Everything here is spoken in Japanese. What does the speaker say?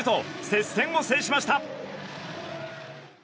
接戦を制しました。